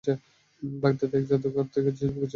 বাগদাদের এক যাদুঘর থেকে কিছু শিল্পকর্ম নিয়ে যাচ্ছিলাম।